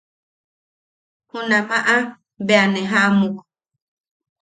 Junamaʼa bea ne jaʼamuk.